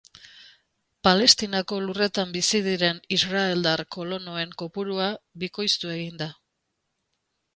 Palestinako lurretan bizi diren israeldar kolonoen kopurua bikoiztu egin da.